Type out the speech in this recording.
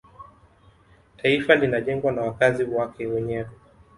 taifa linajengwa na wakazi wake wenyewe